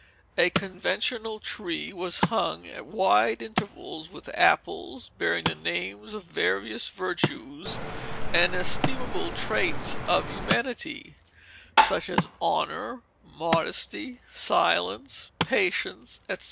A conventional tree was hung at wide intervals with apples, bearing the names of various virtues and estimable traits of humanity, such as Honor, Modesty, Silence, Patience, etc.